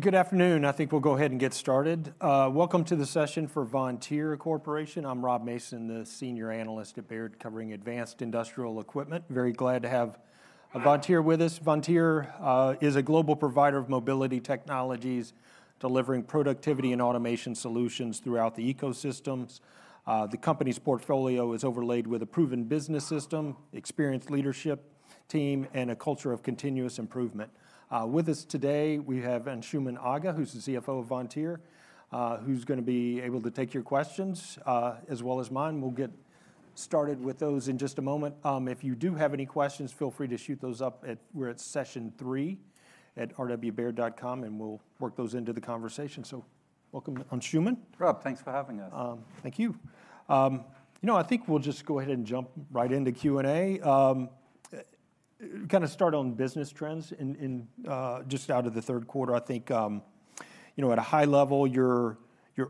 Good afternoon. I think we'll go ahead and get started. Welcome to the session for Vontier Corporation. I'm Rob Mason, the Senior Analyst at Baird, covering advanced industrial equipment. Very glad to have Vontier with us. Vontier is a global provider of mobility technologies, delivering productivity and automation solutions throughout the ecosystems. The company's portfolio is overlaid with a proven business system, experienced leadership team, and a culture of continuous improvement. With us today, we have Anshooman Aga, who's the CFO of Vontier, who's going to be able to take your questions, as well as mine. We'll get started with those in just a moment. If you do have any questions, feel free to shoot those up. We're at session three at rwbaird.com, and we'll work those into the conversation. So welcome, Anshooman. Rob, thanks for having us. Thank you. You know, I think we'll just go ahead and jump right into Q&A. Kind of start on business trends just out of the third quarter. I think, you know, at a high level, your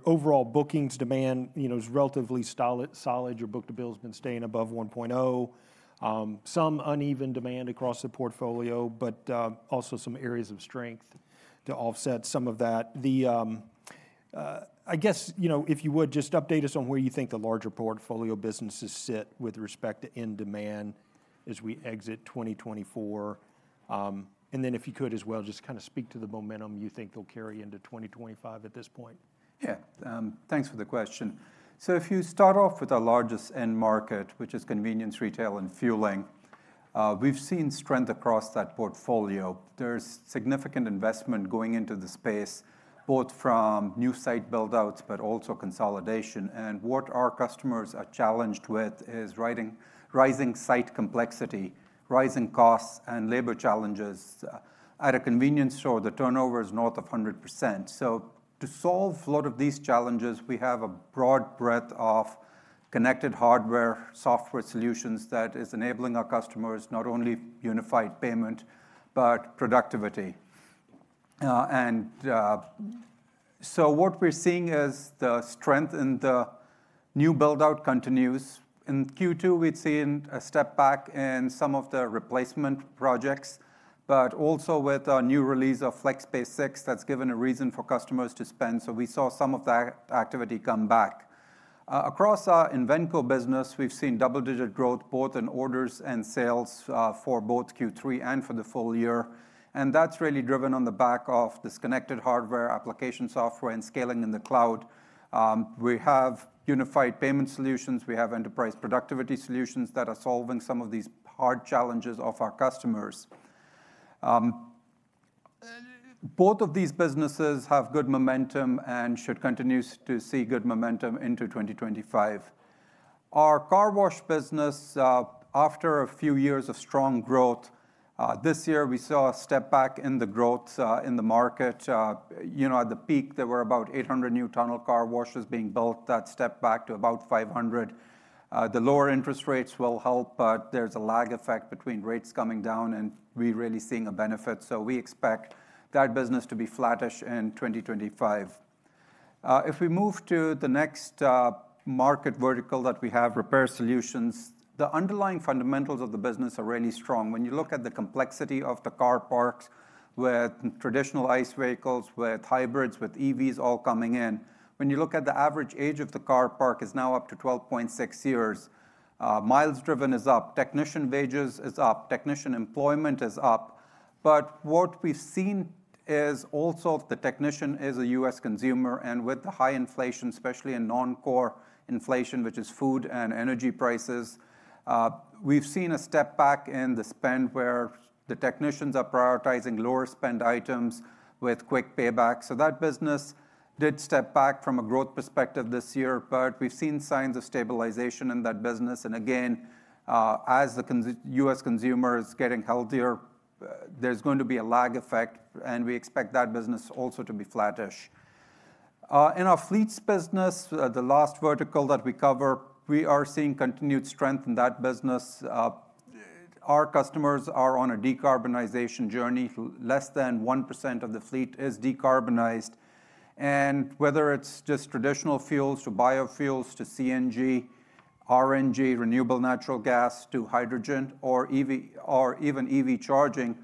overall bookings demand is relatively solid. Your book-to-bill has been staying above 1.0. Some uneven demand across the portfolio, but also some areas of strength to offset some of that. I guess, you know, if you would, just update us on where you think the larger portfolio businesses sit with respect to end demand as we exit 2024. And then if you could as well, just kind of speak to the momentum you think they'll carry into 2025 at this point. Yeah, thanks for the question. So if you start off with our largest end market, which is convenience retail and fueling, we've seen strength across that portfolio. There's significant investment going into the space, both from new site buildouts, but also consolidation. And what our customers are challenged with is rising site complexity, rising costs, and labor challenges. At a convenience store, the turnover is north of 100%. So to solve a lot of these challenges, we have a broad breadth of connected hardware, software solutions that are enabling our customers not only unified payment, but productivity. And so what we're seeing is the strength in the new buildout continues. In Q2, we'd seen a step back in some of the replacement projects, but also with our new release of FlexPay 6, that's given a reason for customers to spend. So we saw some of that activity come back. Across our Invenco business, we've seen double-digit growth, both in orders and sales for both Q3 and for the full year. That's really driven on the back of this connected hardware, application software, and scaling in the cloud. We have unified payment solutions. We have enterprise productivity solutions that are solving some of these hard challenges of our customers. Both of these businesses have good momentum and should continue to see good momentum into 2025. Our car wash business, after a few years of strong growth, this year we saw a step back in the growth in the market. You know, at the peak, there were about 800 new tunnel car washes being built. That stepped back to about 500. The lower interest rates will help, but there's a lag effect between rates coming down, and we're really seeing a benefit. So we expect that business to be flattish in 2025. If we move to the next market vertical that we have, repair solutions, the underlying fundamentals of the business are really strong. When you look at the complexity of the car parks with traditional ICE vehicles, with hybrids, with EVs all coming in, when you look at the average age of the car park, it's now up to 12.6 years. Miles driven is up. Technician wages is up. Technician employment is up. But what we've seen is also the technician is a U.S. consumer. And with the high inflation, especially in non-core inflation, which is food and energy prices, we've seen a step back in the spend where the technicians are prioritizing lower spend items with quick payback. So that business did step back from a growth perspective this year, but we've seen signs of stabilization in that business. And again, as the U.S. consumer is getting healthier, there's going to be a lag effect, and we expect that business also to be flattish. In our fleets business, the last vertical that we cover, we are seeing continued strength in that business. Our customers are on a decarbonization journey. Less than 1% of the fleet is decarbonized. And whether it's just traditional fuels to biofuels, to CNG, RNG, renewable natural gas, to hydrogen, or even EV charging,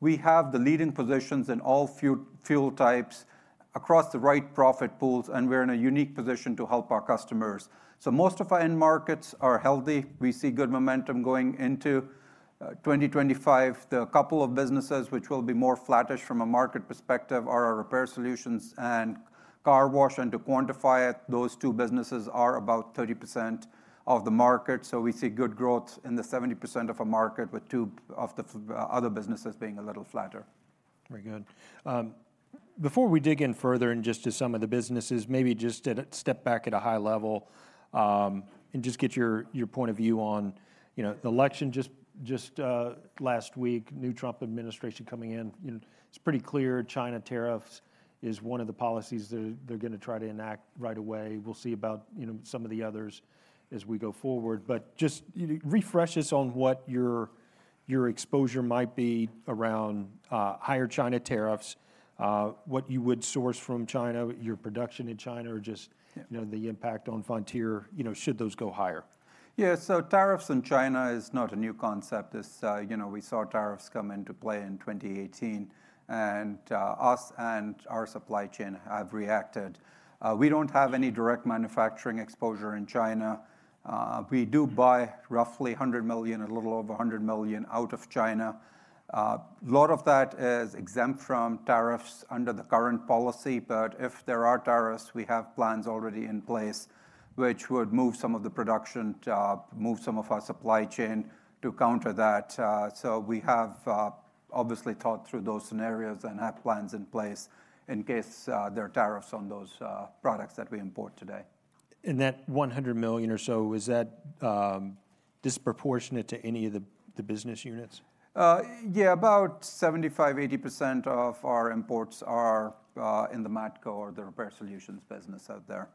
we have the leading positions in all fuel types across the right profit pools, and we're in a unique position to help our customers. So most of our end markets are healthy. We see good momentum going into 2025. The couple of businesses which will be more flattish from a market perspective are our repair solutions and car wash. And to quantify it, those two businesses are about 30% of the market. So we see good growth in the 70% of our market, with two of the other businesses being a little flatter. Very good. Before we dig in further and just to some of the businesses, maybe just to step back at a high level and just get your point of view on, you know, the election just last week, new Trump administration coming in. It's pretty clear China tariffs is one of the policies they're going to try to enact right away. We'll see about some of the others as we go forward. But just refresh us on what your exposure might be around higher China tariffs, what you would source from China, your production in China, or just the impact on Vontier, you know, should those go higher? Yeah, so tariffs in China is not a new concept. You know, we saw tariffs come into play in 2018, and us and our supply chain have reacted. We don't have any direct manufacturing exposure in China. We do buy roughly $100 million, a little over $100 million out of China. A lot of that is exempt from tariffs under the current policy, but if there are tariffs, we have plans already in place which would move some of the production, move some of our supply chain to counter that. So we have obviously thought through those scenarios and have plans in place in case there are tariffs on those products that we import today. That $100 million or so, is that disproportionate to any of the business units? Yeah, about 75%-80% of our imports are in the Matco or the repair solutions business out there.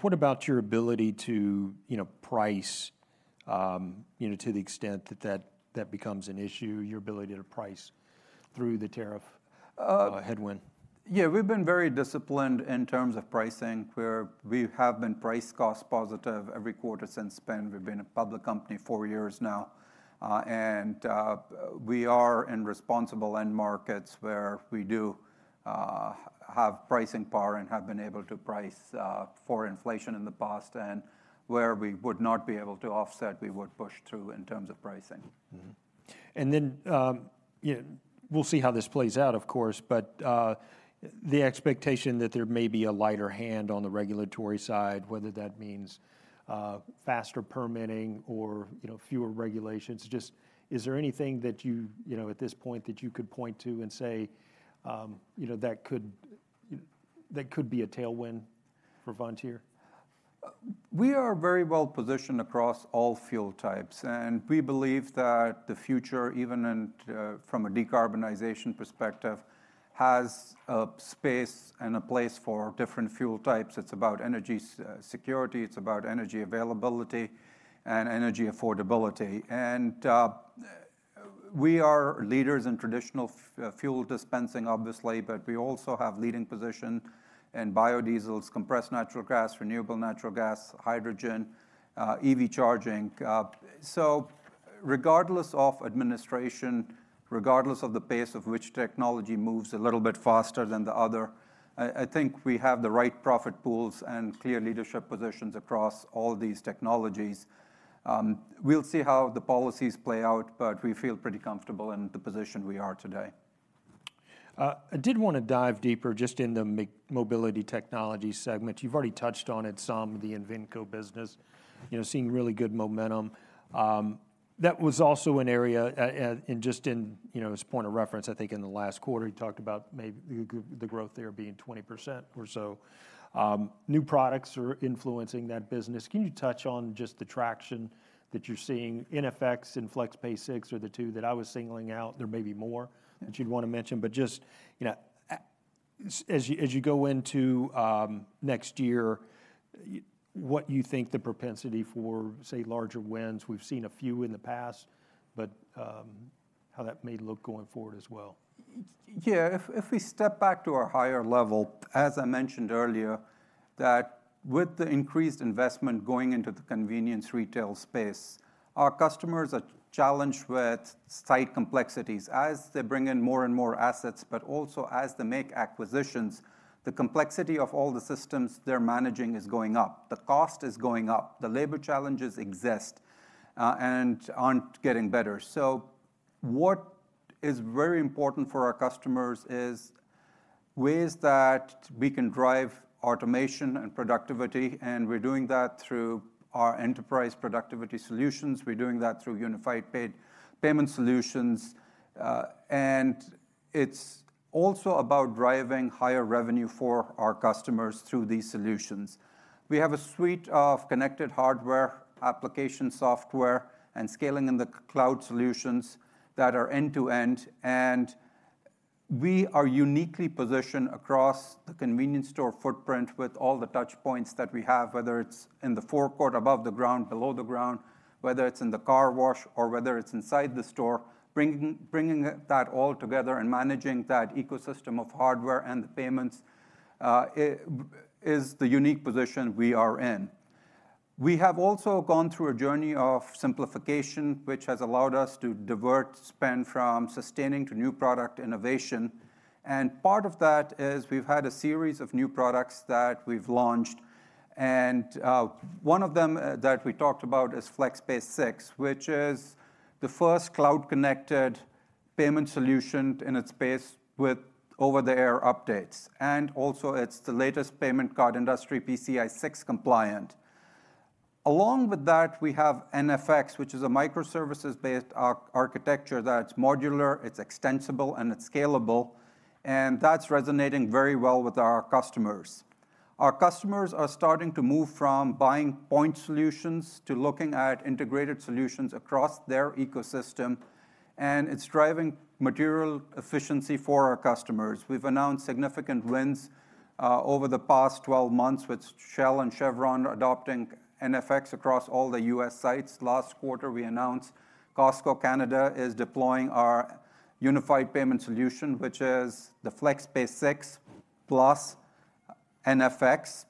What about your ability to price to the extent that that becomes an issue, your ability to price through the tariff headwind? Yeah, we've been very disciplined in terms of pricing. We have been price-cost positive every quarter since spin. We've been a public company four years now, and we are in resilient end markets where we do have pricing power and have been able to price for inflation in the past, and where we would not be able to offset, we would push through in terms of pricing. And then we'll see how this plays out, of course, but the expectation that there may be a lighter hand on the regulatory side, whether that means faster permitting or fewer regulations. Just is there anything that you, you know, at this point that you could point to and say, you know, that could be a tailwind for Vontier? We are very well positioned across all fuel types, and we believe that the future, even from a decarbonization perspective, has a space and a place for different fuel types. It's about energy security. It's about energy availability and energy affordability. And we are leaders in traditional fuel dispensing, obviously, but we also have leading position in biodiesels, compressed natural gas, renewable natural gas, hydrogen, EV charging. So regardless of administration, regardless of the pace of which technology moves a little bit faster than the other, I think we have the right profit pools and clear leadership positions across all these technologies. We'll see how the policies play out, but we feel pretty comfortable in the position we are today. I did want to dive deeper just in the mobility technology segment. You've already touched on it some, the Invenco business, you know, seeing really good momentum. That was also an area just in, you know, as a point of reference, I think in the last quarter, you talked about maybe the growth there being 20% or so. New products are influencing that business. Can you touch on just the traction that you're seeing in FX, in FlexPay 6, or the two that I was singling out? There may be more that you'd want to mention, but just, you know, as you go into next year, what do you think the propensity for, say, larger wins? We've seen a few in the past, but how that may look going forward as well. Yeah, if we step back to our higher level, as I mentioned earlier, that with the increased investment going into the convenience retail space, our customers are challenged with site complexities as they bring in more and more assets, but also as they make acquisitions, the complexity of all the systems they're managing is going up. The cost is going up. The labor challenges exist and aren't getting better. So what is very important for our customers is ways that we can drive automation and productivity, and we're doing that through our enterprise productivity solutions. We're doing that through unified payment solutions. And it's also about driving higher revenue for our customers through these solutions. We have a suite of connected hardware, application software, and scaling in the cloud solutions that are end-to-end. And we are uniquely positioned across the convenience store footprint with all the touch points that we have, whether it's in the forecourt, above the ground, below the ground, whether it's in the car wash, or whether it's inside the store. Bringing that all together and managing that ecosystem of hardware and the payments is the unique position we are in. We have also gone through a journey of simplification, which has allowed us to divert spend from sustaining to new product innovation. And part of that is we've had a series of new products that we've launched. And one of them that we talked about is FlexPay 6, which is the first cloud-connected payment solution in its space with over-the-air updates. And also it's the latest Payment Card Industry, PCI 6 compliant. Along with that, we have NFX, which is a microservices-based architecture that's modular, it's extensible, and it's scalable. And that's resonating very well with our customers. Our customers are starting to move from buying point solutions to looking at integrated solutions across their ecosystem. And it's driving material efficiency for our customers. We've announced significant wins over the past 12 months with Shell and Chevron adopting NFX across all the U.S. sites. Last quarter, we announced Costco Canada is deploying our unified payment solution, which is the FlexPay 6 plus NFX.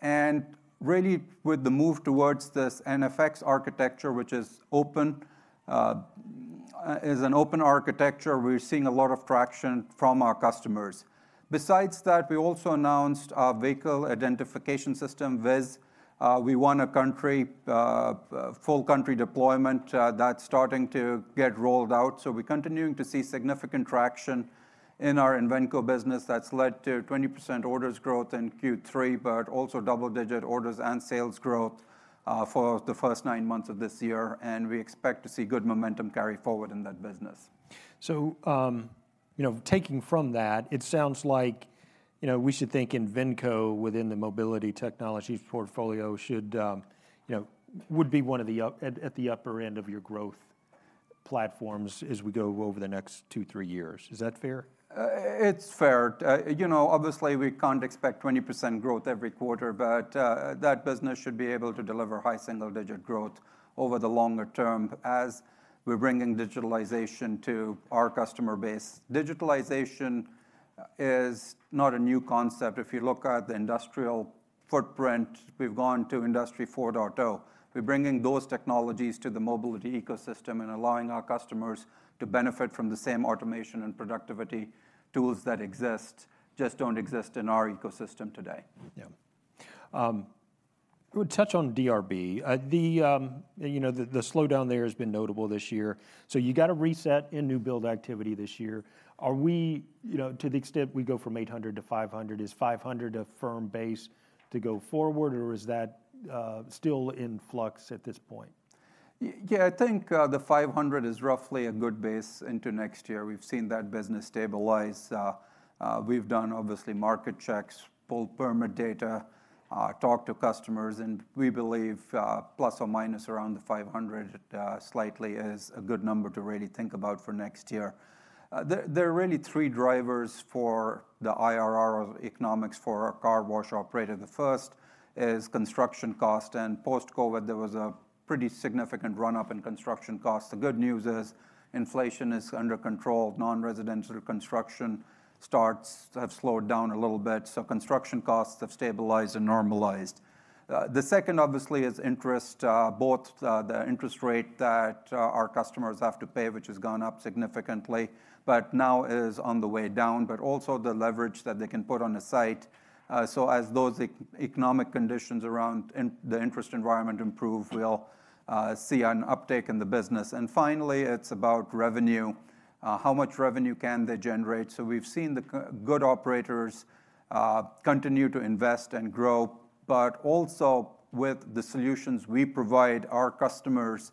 And really with the move towards this NFX architecture, which is an open architecture, we're seeing a lot of traction from our customers. Besides that, we also announced our vehicle identification system, VIS. We won a full country deployment that's starting to get rolled out. So we're continuing to see significant traction in our Invenco business. That's led to 20% orders growth in Q3, but also double-digit orders and sales growth for the first nine months of this year. And we expect to see good momentum carry forward in that business. So, you know, taking from that, it sounds like, you know, we should think Invenco within the mobility technology portfolio should, you know, would be one of the at the upper end of your growth platforms as we go over the next two, three years. Is that fair? It's fair. You know, obviously we can't expect 20% growth every quarter, but that business should be able to deliver high single-digit growth over the longer term as we're bringing digitalization to our customer base. Digitalization is not a new concept. If you look at the industrial footprint, we've gone to Industry 4.0. We're bringing those technologies to the mobility ecosystem and allowing our customers to benefit from the same automation and productivity tools that exist, just don't exist in our ecosystem today. Yeah. We'll touch on DRB. The, you know, the slowdown there has been notable this year. So you got a reset in new build activity this year. Are we, you know, to the extent we go from 800 to 500, is 500 a firm base to go forward, or is that still in flux at this point? Yeah, I think the 500 is roughly a good base into next year. We've seen that business stabilize. We've done obviously market checks, pulled permit data, talked to customers, and we believe plus or minus around the 500 slightly is a good number to really think about for next year. There are really three drivers for the IRR economics for our car wash operator. The first is construction cost, and post-COVID, there was a pretty significant run-up in construction costs. The good news is inflation is under control. Non-residential construction starts have slowed down a little bit, so construction costs have stabilized and normalized. The second obviously is interest, both the interest rate that our customers have to pay, which has gone up significantly, but now is on the way down, but also the leverage that they can put on a site. So as those economic conditions around the interest environment improve, we'll see an uptake in the business. And finally, it's about revenue. How much revenue can they generate? So we've seen the good operators continue to invest and grow, but also with the solutions we provide our customers,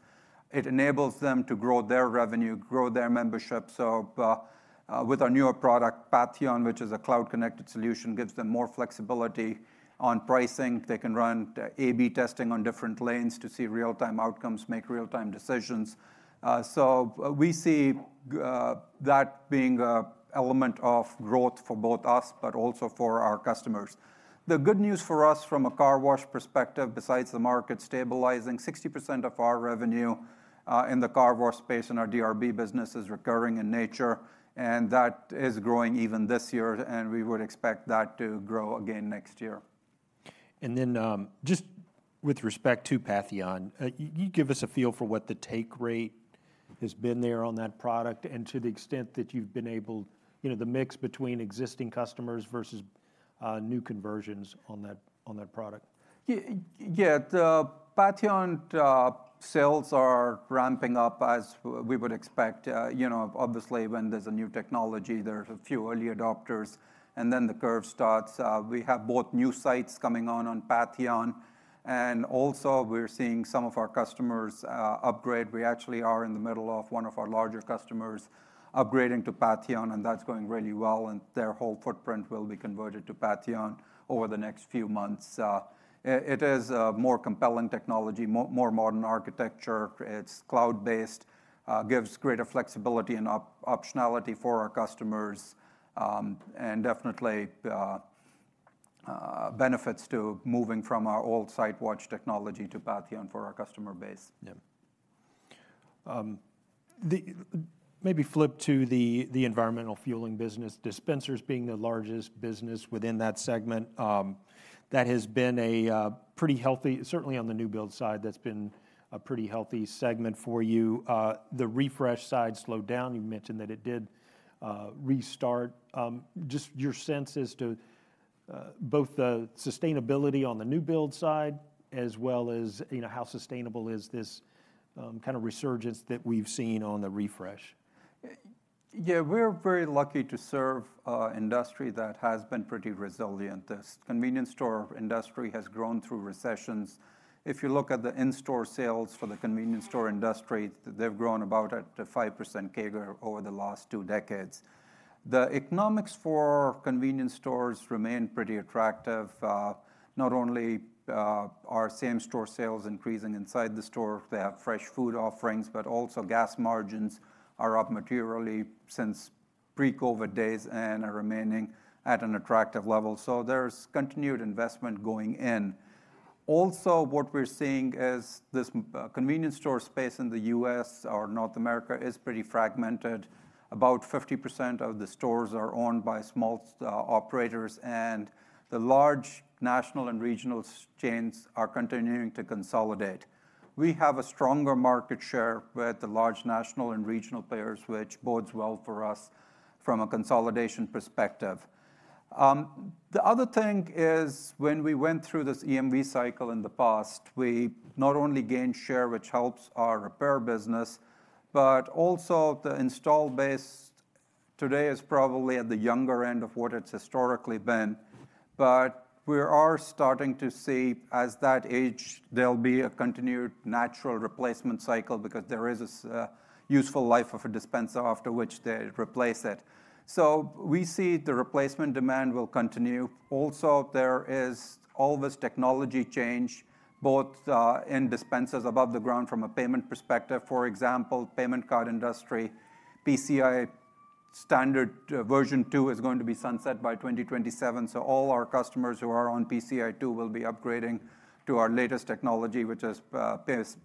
it enables them to grow their revenue, grow their membership. So with our newer product, Patheon, which is a cloud-connected solution, gives them more flexibility on pricing. They can run A/B testing on different lanes to see real-time outcomes, make real-time decisions. So we see that being an element of growth for both us, but also for our customers. The good news for us from a car wash perspective, besides the market stabilizing, 60% of our revenue in the car wash space in our DRB business is recurring in nature, and that is growing even this year, and we would expect that to grow again next year. Then just with respect to Patheon, you give us a feel for what the take rate has been there on that product and to the extent that you've been able, you know, the mix between existing customers versus new conversions on that product. Yeah, the Patheon sales are ramping up as we would expect. You know, obviously when there's a new technology, there's a few early adopters, and then the curve starts. We have both new sites coming on on Patheon, and also we're seeing some of our customers upgrade. We actually are in the middle of one of our larger customers upgrading to Patheon, and that's going really well, and their whole footprint will be converted to Patheon over the next few months. It is a more compelling technology, more modern architecture. It's cloud-based, gives greater flexibility and optionality for our customers, and definitely benefits to moving from our old site wash technology to Patheon for our customer base. Yeah. Maybe flip to the environmental fueling business. Dispensers being the largest business within that segment, that has been a pretty healthy, certainly on the new build side, that's been a pretty healthy segment for you. The refresh side slowed down. You mentioned that it did restart. Just your sense as to both the sustainability on the new build side as well as, you know, how sustainable is this kind of resurgence that we've seen on the refresh? Yeah, we're very lucky to serve an industry that has been pretty resilient. This convenience store industry has grown through recessions. If you look at the in-store sales for the convenience store industry, they've grown about at a 5% CAGR over the last two decades. The economics for convenience stores remain pretty attractive. Not only are same-store sales increasing inside the store, they have fresh food offerings, but also gas margins are up materially since pre-COVID days and are remaining at an attractive level. So there's continued investment going in. Also, what we're seeing is this convenience store space in the U.S. or North America is pretty fragmented. About 50% of the stores are owned by small operators, and the large national and regional chains are continuing to consolidate. We have a stronger market share with the large national and regional players, which bodes well for us from a consolidation perspective. The other thing is when we went through this EMV cycle in the past, we not only gained share, which helps our repair business, but also the install base today is probably at the younger end of what it's historically been. But we are starting to see as that age, there'll be a continued natural replacement cycle because there is a useful life of a dispenser after which they replace it. So we see the replacement demand will continue. Also, there is all this technology change, both in dispensers above the ground from a payment perspective. For example, Payment Card Industry PCI standard version two is going to be sunset by 2027. All our customers who are on PCI 2 will be upgrading to our latest technology, which is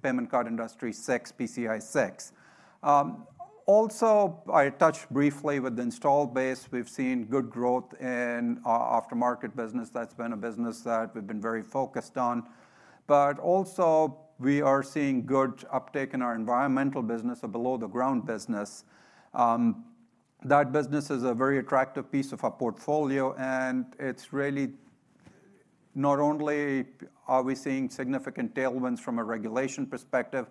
Payment Card Industry 6, PCI 6. Also, I touched briefly on the installed base. We've seen good growth in our aftermarket business. That's been a business that we've been very focused on. But also we are seeing good uptake in our environmental business, a below-the-ground business. That business is a very attractive piece of our portfolio, and it's really not only are we seeing significant tailwinds from a regulation perspective.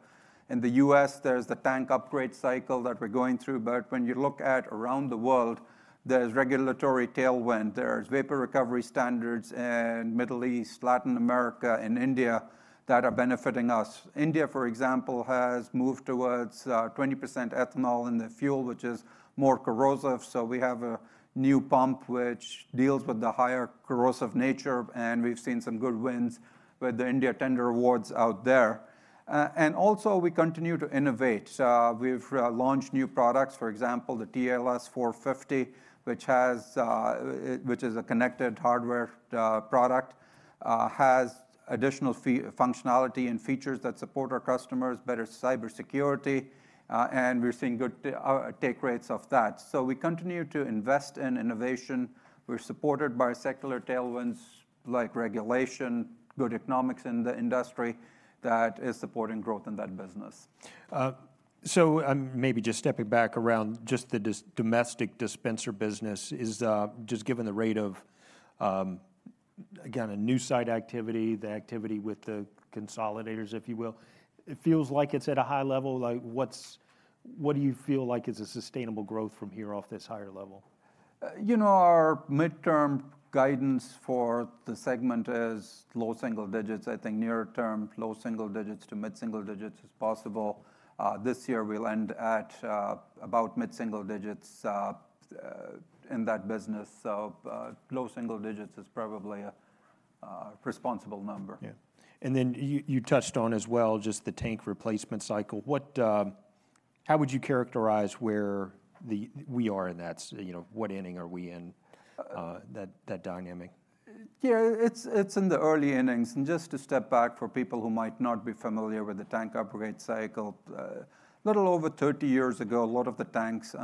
In the U.S., there's the tank upgrade cycle that we're going through, but when you look around the world, there's regulatory tailwind. There's vapor recovery standards in the Middle East, Latin America, and India that are benefiting us. India, for example, has moved towards 20% ethanol in the fuel, which is more corrosive. So we have a new pump which deals with the higher corrosive nature, and we've seen some good wins with the India tender awards out there. And also we continue to innovate. We've launched new products, for example, the TLS-450, which is a connected hardware product, has additional functionality and features that support our customers, better cybersecurity, and we're seeing good take rates of that. So we continue to invest in innovation. We're supported by secular tailwinds like regulation, good economics in the industry that is supporting growth in that business. So maybe just stepping back around just the domestic dispenser business, just given the rate of, again, a new site activity, the activity with the consolidators, if you will, it feels like it's at a high level. What do you feel like is a sustainable growth from here off this higher level? You know, our midterm guidance for the segment is low single digits. I think near-term, low single digits to mid-single digits is possible. This year we'll end at about mid-single digits in that business. So low single digits is probably a responsible number. Yeah. And then you touched on as well just the tank replacement cycle. How would you characterize where we are in that? You know, what inning are we in, that dynamic? Yeah, it's in the early innings. And just to step back for people who might not be familiar with the tank upgrade cycle, a little over 30 years ago, a lot of the tanks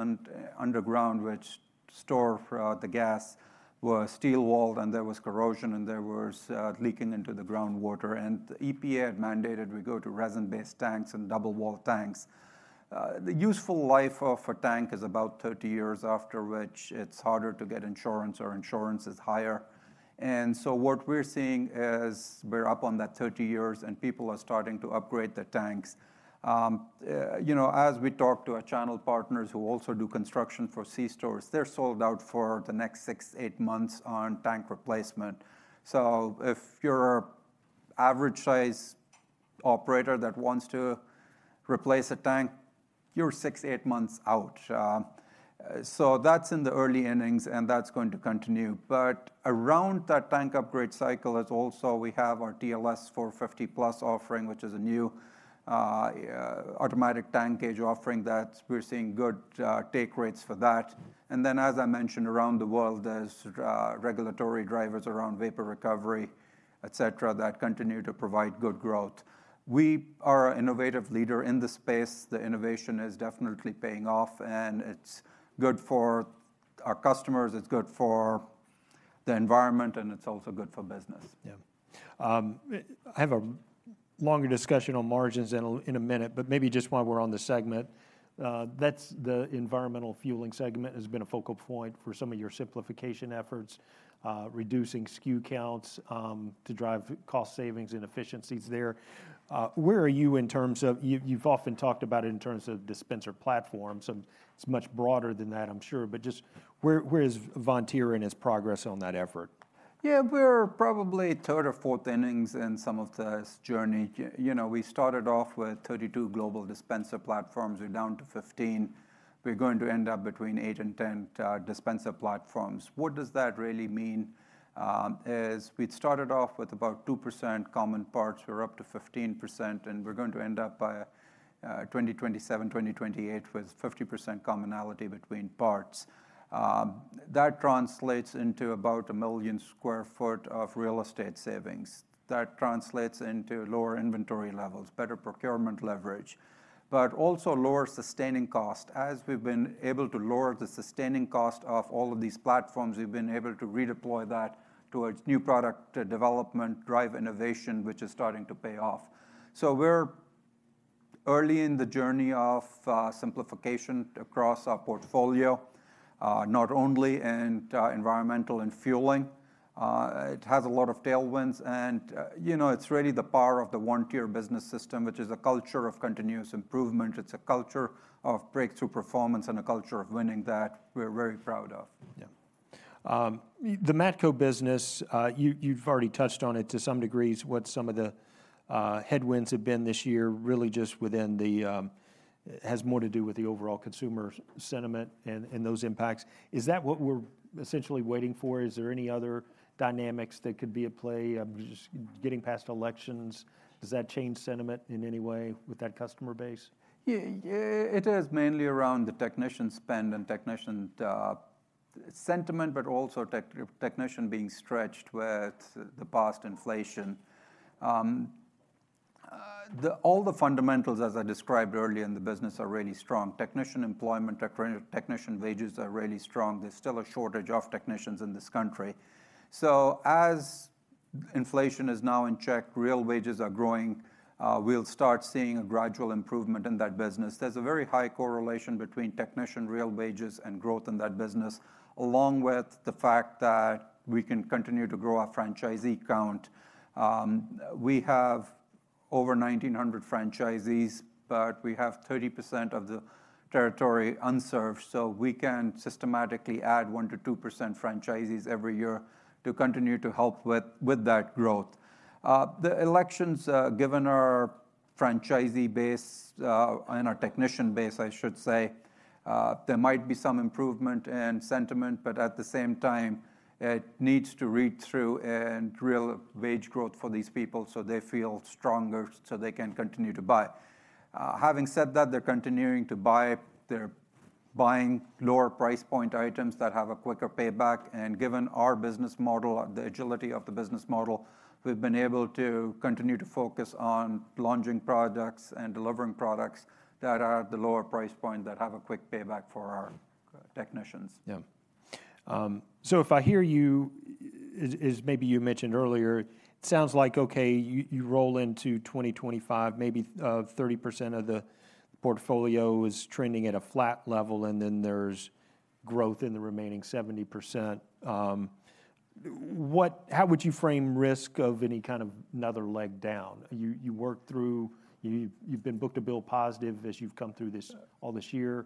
underground, which store the gas, were steel-walled and there was corrosion and there was leaking into the groundwater. And the EPA had mandated we go to resin-based tanks and double-walled tanks. The useful life of a tank is about 30 years, after which it's harder to get insurance or insurance is higher. And so what we're seeing is we're up on that 30 years and people are starting to upgrade the tanks. You know, as we talk to our channel partners who also do construction for c-stores, they're sold out for the next six, eight months on tank replacement. So if you're an average-sized operator that wants to replace a tank, you're six, eight months out. So that's in the early innings and that's going to continue. But around that tank upgrade cycle is also we have our TLS-450PLUS offering, which is a new automatic tank gauge offering that we're seeing good take rates for that. And then, as I mentioned, around the world, there's regulatory drivers around vapor recovery, et cetera, that continue to provide good growth. We are an innovative leader in the space. The innovation is definitely paying off and it's good for our customers, it's good for the environment, and it's also good for business. Yeah. I have a longer discussion on margins in a minute, but maybe just while we're on the segment, that's the environmental fueling segment has been a focal point for some of your simplification efforts, reducing SKU counts to drive cost savings and efficiencies there. Where are you in terms of, you've often talked about it in terms of dispenser platforms, and it's much broader than that, I'm sure, but just where is Vontier and its progress on that effort? Yeah, we're probably a third or fourth innings in some of this journey. You know, we started off with 32 global dispenser platforms. We're down to 15. We're going to end up between eight and 10 dispenser platforms. What does that really mean? As we'd started off with about 2% common parts, we're up to 15%, and we're going to end up by 2027, 2028 with 50% commonality between parts. That translates into about a million sq ft of real estate savings. That translates into lower inventory levels, better procurement leverage, but also lower sustaining cost. As we've been able to lower the sustaining cost of all of these platforms, we've been able to redeploy that towards new product development, drive innovation, which is starting to pay off. We're early in the journey of simplification across our portfolio, not only in environmental and fueling. It has a lot of tailwinds and, you know, it's really the power of the Vontier Business System, which is a culture of continuous improvement. It's a culture of breakthrough performance and a culture of winning that we're very proud of. Yeah. The Matco business, you've already touched on it to some degrees. What some of the headwinds have been this year really just within the, has more to do with the overall consumer sentiment and those impacts. Is that what we're essentially waiting for? Is there any other dynamics that could be at play? Just getting past elections, does that change sentiment in any way with that customer base? Yeah, it is mainly around the technician spend and technician sentiment, but also technician being stretched with the past inflation. All the fundamentals, as I described earlier in the business, are really strong. Technician employment, technician wages are really strong. There's still a shortage of technicians in this country. So as inflation is now in check, real wages are growing, we'll start seeing a gradual improvement in that business. There's a very high correlation between technician real wages and growth in that business, along with the fact that we can continue to grow our franchisee count. We have over 1,900 franchisees, but we have 30% of the territory unserved. So we can systematically add 1%-2% franchisees every year to continue to help with that growth. The elections, given our franchisee base and our technician base, I should say, there might be some improvement in sentiment, but at the same time, it needs to read through and real wage growth for these people so they feel stronger so they can continue to buy. Having said that, they're continuing to buy. They're buying lower price point items that have a quicker payback. And given our business model, the agility of the business model, we've been able to continue to focus on launching products and delivering products that are at the lower price point that have a quick payback for our technicians. Yeah. So if I hear you, as maybe you mentioned earlier, it sounds like, okay, you roll into 2025, maybe 30% of the portfolio is trending at a flat level and then there's growth in the remaining 70%. How would you frame risk of any kind of another leg down? You work through, you've been book-to-bill positive as you've come through this all this year.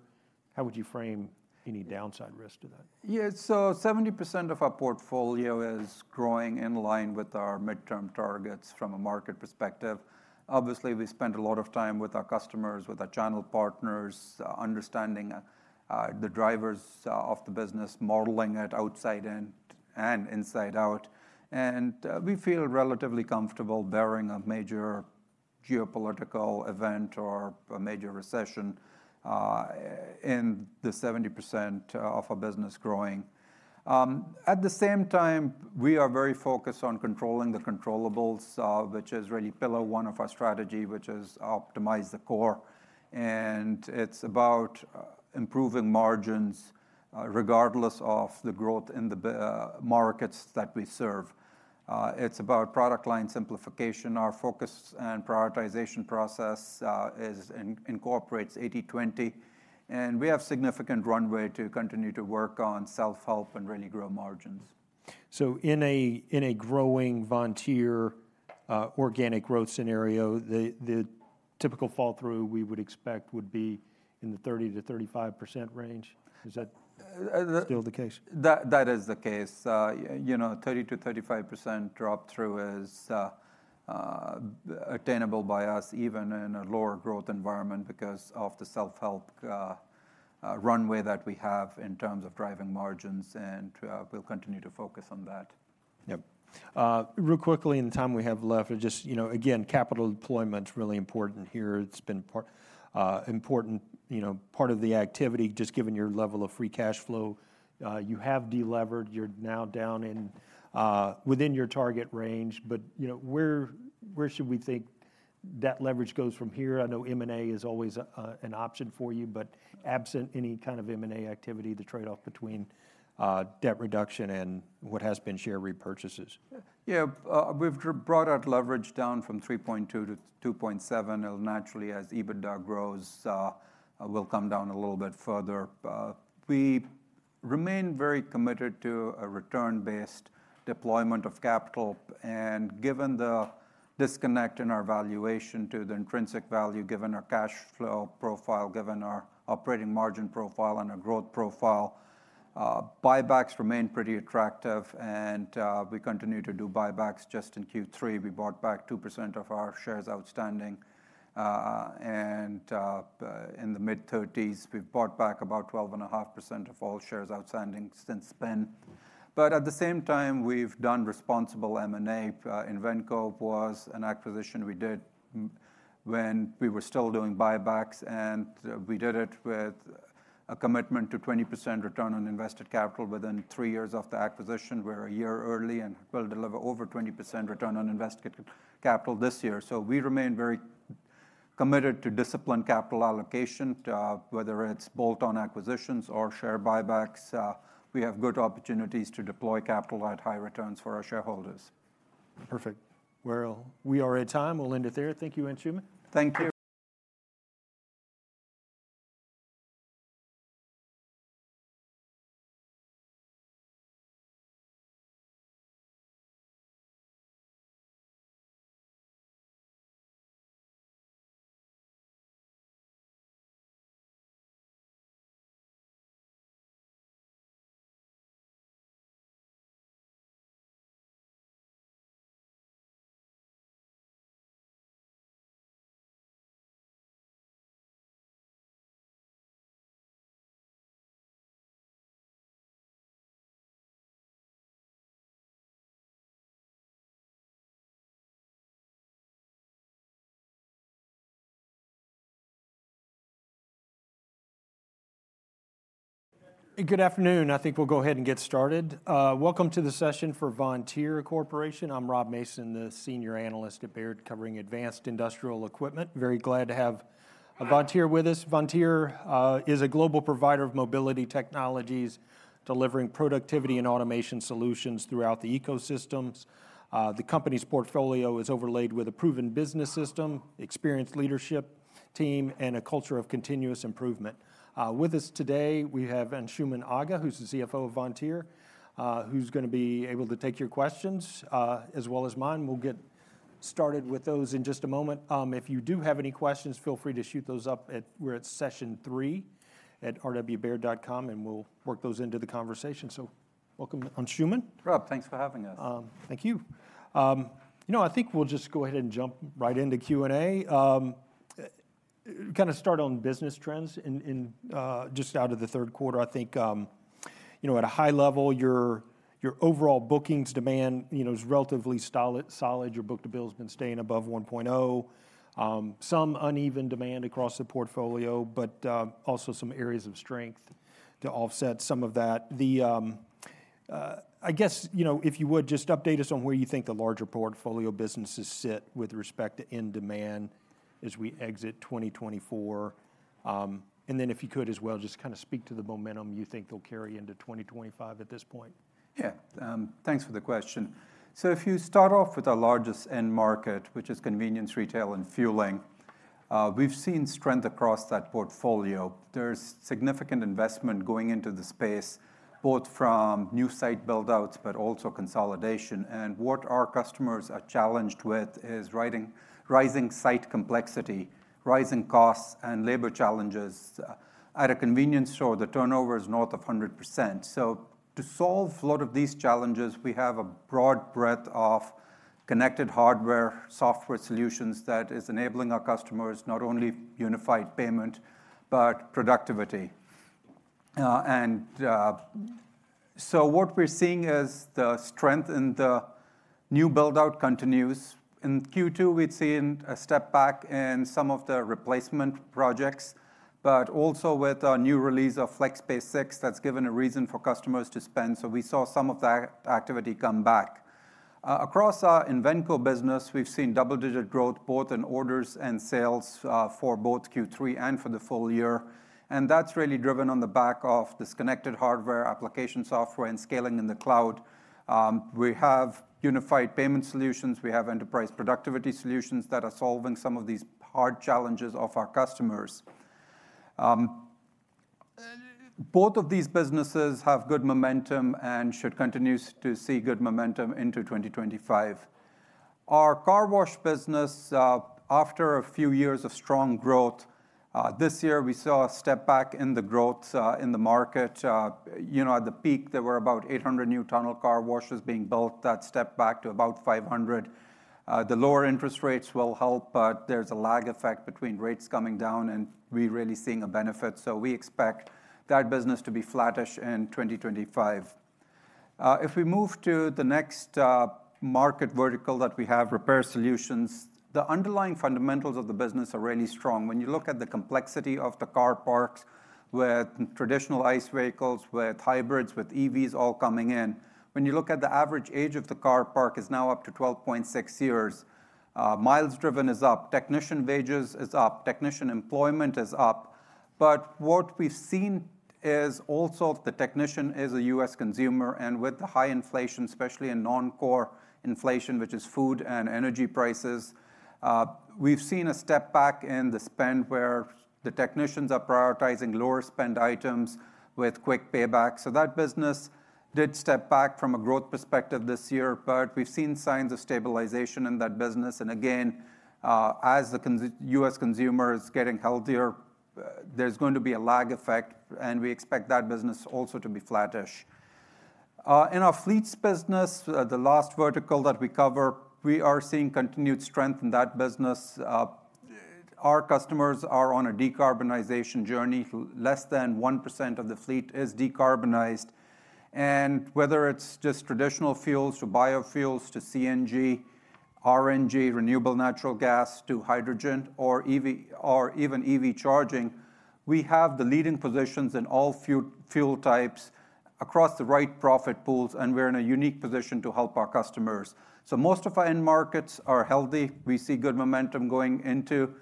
How would you frame any downside risk to that? Yeah, so 70% of our portfolio is growing in line with our midterm targets from a market perspective. Obviously, we spend a lot of time with our customers, with our channel partners, understanding the drivers of the business, modeling it outside in and inside out. And we feel relatively comfortable bearing a major geopolitical event or a major recession in the 70% of our business growing. At the same time, we are very focused on controlling the controllables, which is really pillar one of our strategy, which is optimize the core. And it's about improving margins regardless of the growth in the markets that we serve. It's about product line simplification. Our focus and prioritization process incorporates 80/20, and we have significant runway to continue to work on self-help and really grow margins. In a growing Vontier organic growth scenario, the typical flow-through we would expect would be in the 30%-35% range. Is that still the case? That is the case. You know, 30%-35% drop through is attainable by us even in a lower growth environment because of the self-help runway that we have in terms of driving margins, and we'll continue to focus on that. Yep. Real quickly in the time we have left, just, you know, again, capital deployment's really important here. It's been an important, you know, part of the activity, just given your level of free cash flow. You have delevered, you're now down in, within your target range, but, you know, where should we think debt leverage goes from here? I know M&A is always an option for you, but absent any kind of M&A activity, the trade-off between debt reduction and what has been share repurchases. Yeah, we've brought our leverage down from 3.2 to 2.7. Naturally, as EBITDA grows, we'll come down a little bit further. We remain very committed to a return-based deployment of capital. And given the disconnect in our valuation to the intrinsic value, given our cash flow profile, given our operating margin profile and our growth profile, buybacks remain pretty attractive. And we continue to do buybacks just in Q3. We bought back 2% of our shares outstanding. And in the mid-30s, we've bought back about 12.5% of all shares outstanding since then. But at the same time, we've done responsible M&A. Invenco was an acquisition we did when we were still doing buybacks, and we did it with a commitment to 20% return on invested capital within three years of the acquisition. We're a year early and will deliver over 20% return on invested capital this year. So we remain very committed to disciplined capital allocation, whether it's bolt-on acquisitions or share buybacks. We have good opportunities to deploy capital at high returns for our shareholders. Perfect. Well, we are at time. We'll end it there. Thank you, Anshooman. Thank you. Good afternoon. I think we'll go ahead and get started. Welcome to the session for Vontier Corporation. I'm Rob Mason, the senior analyst at Baird covering advanced industrial equipment. Very glad to have Vontier with us. Vontier is a global provider of mobility technologies delivering productivity and automation solutions throughout the ecosystems. The company's portfolio is overlaid with a proven business system, experienced leadership team, and a culture of continuous improvement. With us today, we have Anshooman Aga, who's the CFO of Vontier, who's going to be able to take your questions as well as mine. We'll get started with those in just a moment. If you do have any questions, feel free to shoot those up. We're at session three at rwbaird.com, and we'll work those into the conversation. So welcome, Anshooman. Rob, thanks for having us. Thank you. You know, I think we'll just go ahead and jump right into Q&A. Kind of start on business trends in just out of the third quarter. I think, you know, at a high level, your overall bookings demand, you know, is relatively solid. Your book-to-bill has been staying above 1.0. Some uneven demand across the portfolio, but also some areas of strength to offset some of that. I guess, you know, if you would just update us on where you think the larger portfolio businesses sit with respect to end demand as we exit 2024. And then if you could as well, just kind of speak to the momentum you think they'll carry into 2025 at this point. Yeah. Thanks for the question. So if you start off with our largest end market, which is convenience retail and fueling, we've seen strength across that portfolio. There's significant investment going into the space, both from new site buildouts, but also consolidation. And what our customers are challenged with is rising site complexity, rising costs, and labor challenges. At a convenience store, the turnover is north of 100%. So to solve a lot of these challenges, we have a broad breadth of connected hardware, software solutions that are enabling our customers not only unified payment, but productivity. And so what we're seeing is the strength in the new buildout continues. In Q2, we'd seen a step back in some of the replacement projects, but also with our new release of FlexPay 6, that's given a reason for customers to spend. So we saw some of that activity come back. Across our Invenco business, we've seen double-digit growth, both in orders and sales for both Q3 and for the full year. That's really driven on the back of disconnected hardware, application software, and scaling in the cloud. We have unified payment solutions. We have enterprise productivity solutions that are solving some of these hard challenges of our customers. Both of these businesses have good momentum and should continue to see good momentum into 2025. Our car wash business, after a few years of strong growth, this year we saw a step back in the growth in the market. You know, at the peak, there were about 800 new tunnel car washes being built. That stepped back to about 500. The lower interest rates will help, but there's a lag effect between rates coming down, and we're really seeing a benefit. So we expect that business to be flattish in 2025. If we move to the next market vertical that we have, repair solutions, the underlying fundamentals of the business are really strong. When you look at the complexity of the car parks with traditional ICE vehicles, with hybrids, with EVs all coming in, when you look at the average age of the car park is now up to 12.6 years. Miles driven is up. Technician wages is up. Technician employment is up. But what we've seen is also the technician is a U.S. consumer, and with the high inflation, especially in non-core inflation, which is food and energy prices, we've seen a step back in the spend where the technicians are prioritizing lower spend items with quick payback. So that business did step back from a growth perspective this year, but we've seen signs of stabilization in that business. Again, as the U.S. consumer is getting healthier, there's going to be a lag effect, and we expect that business also to be flattish. In our fleets business, the last vertical that we cover, we are seeing continued strength in that business. Our customers are on a decarbonization journey. Less than 1% of the fleet is decarbonized. Whether it's just traditional fuels to biofuels, to CNG, RNG, renewable natural gas, to hydrogen, or even EV charging, we have the leading positions in all fuel types across the right profit pools, and we're in a unique position to help our customers. Most of our end markets are healthy. We see good momentum going into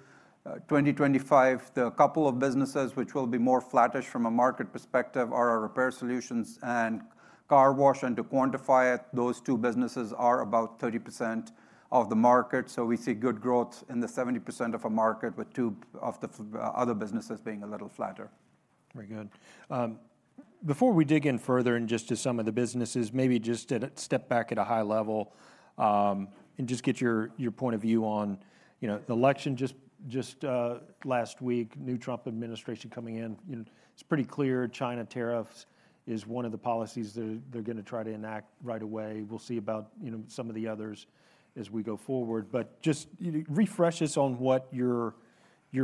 2025. The couple of businesses which will be more flattish from a market perspective are our repair solutions and car wash. To quantify it, those two businesses are about 30% of the market. We see good growth in the 70% of our market, with two of the other businesses being a little flatter. Very good. Before we dig in further and just to some of the businesses, maybe just to step back at a high level and just get your point of view on, you know, the election just last week, new Trump administration coming in. It's pretty clear China tariffs is one of the policies they're going to try to enact right away. We'll see about some of the others as we go forward. But just refresh us on what your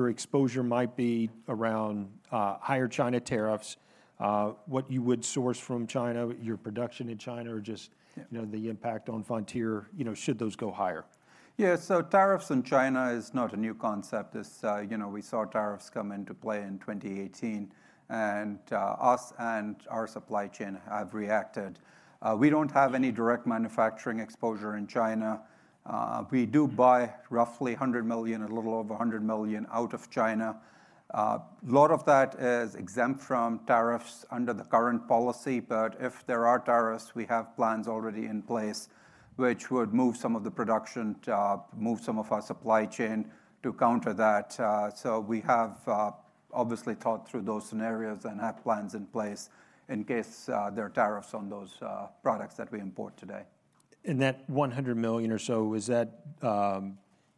exposure might be around higher China tariffs, what you would source from China, your production in China, or just, you know, the impact on Vontier, you know, should those go higher. Yeah, so tariffs in China is not a new concept. You know, we saw tariffs come into play in 2018, and us and our supply chain have reacted. We don't have any direct manufacturing exposure in China. We do buy roughly $100 million, a little over $100 million out of China. A lot of that is exempt from tariffs under the current policy, but if there are tariffs, we have plans already in place which would move some of the production, move some of our supply chain to counter that. So we have obviously thought through those scenarios and have plans in place in case there are tariffs on those products that we import today. That $100 million or so, is that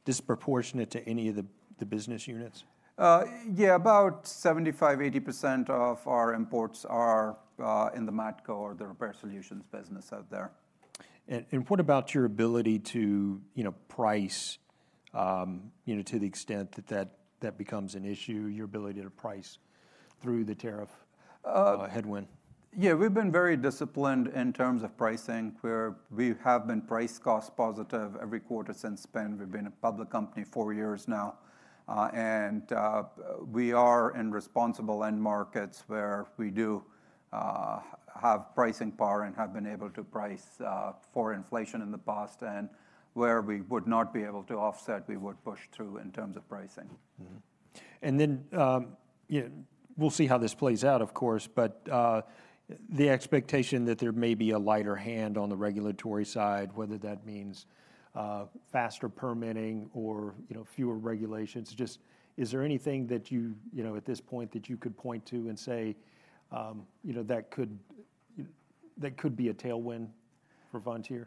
disproportionate to any of the business units? Yeah, about 75%-80% of our imports are in the Matco or the repair solutions business out there. What about your ability to, you know, price, you know, to the extent that that becomes an issue, your ability to price through the tariff headwind? Yeah, we've been very disciplined in terms of pricing. We have been price-cost positive every quarter since spin. We've been a public company four years now, and we are in resilient end markets where we do have pricing power and have been able to price for inflation in the past and where we would not be able to offset, we would push through in terms of pricing. And then, you know, we'll see how this plays out, of course, but the expectation that there may be a lighter hand on the regulatory side, whether that means faster permitting or, you know, fewer regulations. Is there anything that you, you know, at this point that you could point to and say, you know, that could be a tailwind for Vontier?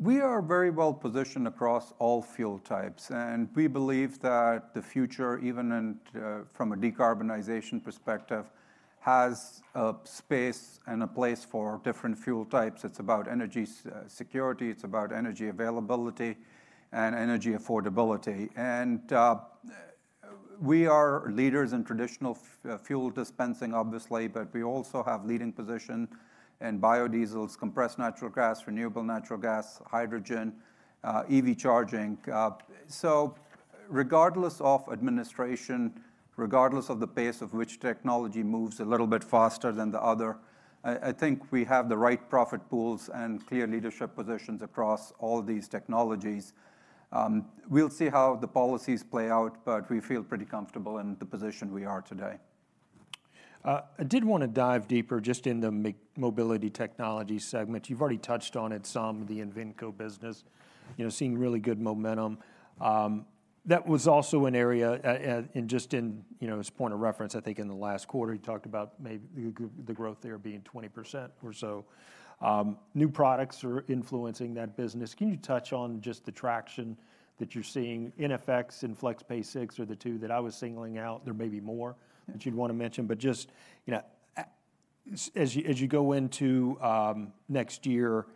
We are very well positioned across all fuel types, and we believe that the future, even from a decarbonization perspective, has a space and a place for different fuel types. It's about energy security. It's about energy availability and energy affordability, and we are leaders in traditional fuel dispensing, obviously, but we also have leading position in biodiesels, compressed natural gas, renewable natural gas, hydrogen, EV charging, so regardless of administration, regardless of the pace of which technology moves a little bit faster than the other, I think we have the right profit pools and clear leadership positions across all these technologies. We'll see how the policies play out, but we feel pretty comfortable in the position we are today. I did want to dive deeper just in the mobility technology segment. You've already touched on it some, the Invenco business, you know, seeing really good momentum. That was also an area and just in, you know, as point of reference, I think in the last quarter, you talked about maybe the growth there being 20% or so. New products are influencing that business. Can you touch on just the traction that you're seeing in NFX and FlexPay 6? Those are the two that I was singling out. There may be more that you'd want to mention, but just, you know, as you go into next year,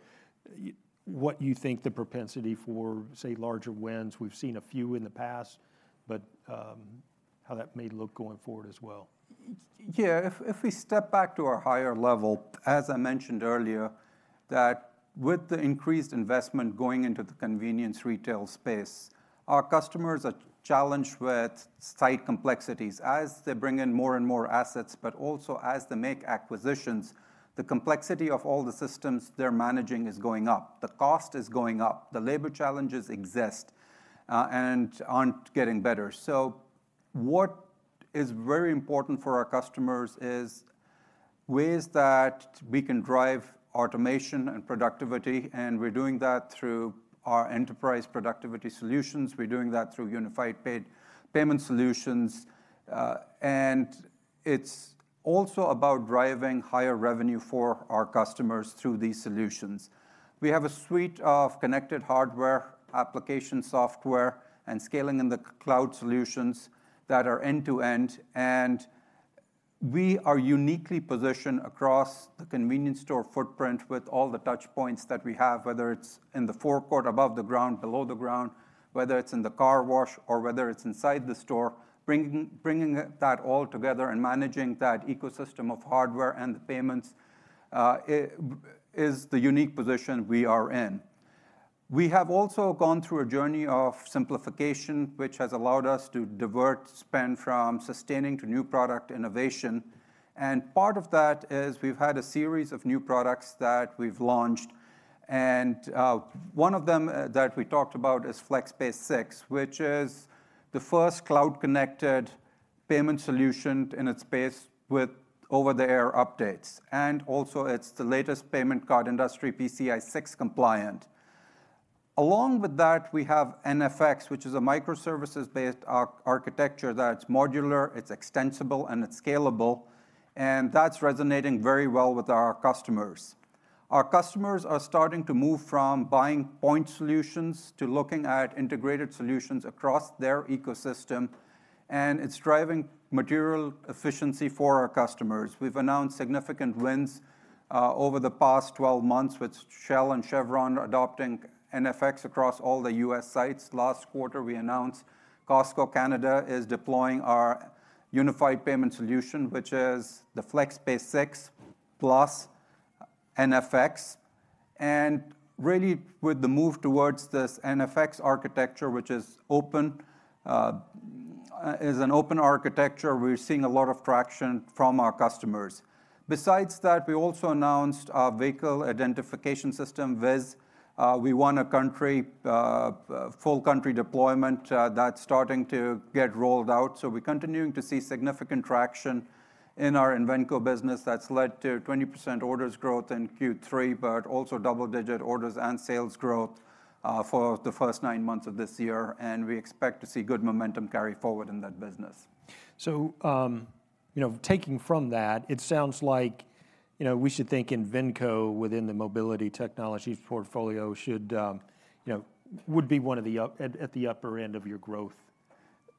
what you think the propensity for, say, larger wins? We've seen a few in the past, but how that may look going forward as well. Yeah, if we step back to a higher level, as I mentioned earlier, that with the increased investment going into the convenience retail space, our customers are challenged with site complexities as they bring in more and more assets, but also as they make acquisitions, the complexity of all the systems they're managing is going up. The cost is going up. The labor challenges exist and aren't getting better. So what is very important for our customers is ways that we can drive automation and productivity, and we're doing that through our enterprise productivity solutions. We're doing that through unified payment solutions. And it's also about driving higher revenue for our customers through these solutions. We have a suite of connected hardware, application software, and scaling in the cloud solutions that are end-to-end. We are uniquely positioned across the convenience store footprint with all the touch points that we have, whether it's in the forecourt, above the ground, below the ground, whether it's in the car wash, or whether it's inside the store, bringing that all together and managing that ecosystem of hardware and the payments is the unique position we are in. We have also gone through a journey of simplification, which has allowed us to divert spend from sustaining to new product innovation. Part of that is we've had a series of new products that we've launched. One of them that we talked about is FlexPay 6, which is the first cloud-connected payment solution in its space with over-the-air updates. It also is the latest Payment Card Industry PCI 6-compliant. Along with that, we have NFX, which is a microservices-based architecture that's modular, it's extensible, and it's scalable. And that's resonating very well with our customers. Our customers are starting to move from buying point solutions to looking at integrated solutions across their ecosystem. And it's driving material efficiency for our customers. We've announced significant wins over the past 12 months, with Shell and Chevron adopting NFX across all the U.S. sites. Last quarter, we announced Costco Canada is deploying our unified payment solution, which is the FlexPay 6 plus NFX. And really, with the move towards this NFX architecture, which is open, is an open architecture, we're seeing a lot of traction from our customers. Besides that, we also announced our vehicle identification system, VIS. We won a full country deployment that's starting to get rolled out. So we're continuing to see significant traction in our Invenco business. That's led to 20% orders growth in Q3, but also double-digit orders and sales growth for the first nine months of this year, and we expect to see good momentum carry forward in that business. So, you know, taking from that, it sounds like, you know, we should think Invenco within the mobility technologies portfolio should, you know, would be one of the at the upper end of your growth